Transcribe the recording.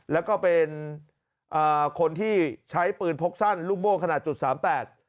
แล้วก็เป็นคนที่ใช้ปืนพกสั้นลูกม่วงขนาด๓๘